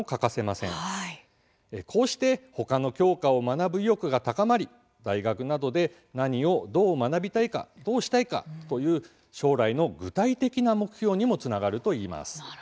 こうしてほかの教科を学ぶ意欲が高まり大学などで何をどう学びたいかどうしたいかという将来の具体的な目標にもつながるといいます。